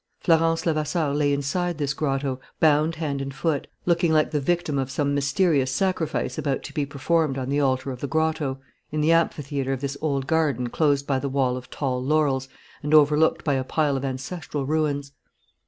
Florence Levasseur lay inside this grotto, bound hand and foot, looking like the victim of some mysterious sacrifice about to be performed on the altar of the grotto, in the amphitheatre of this old garden closed by the wall of tall laurels and overlooked by a pile of ancestral ruins.